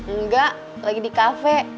enggak lagi di kafe